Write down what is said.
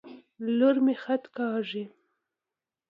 لور مي خط کاږي.